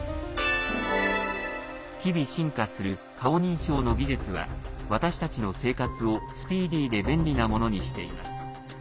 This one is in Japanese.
日々進化する顔認証の技術は私たちの生活を、スピーディーで便利なものにしています。